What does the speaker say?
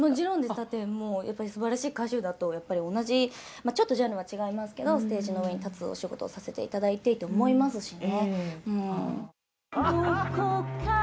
だって、やっぱりすばらしい歌手だと、やっぱり同じ、ちょっとジャンルは違いますけど、ステージの上に立つお仕事をさせていただいていて、思いますしね。